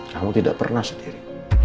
kamu tidak pernah sendiri